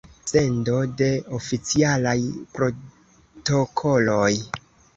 Sendo de oficialaj protokoloj.